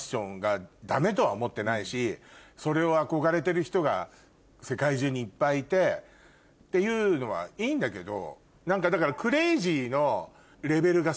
それを憧れてる人が世界中にいっぱいいてっていうのはいいんだけど。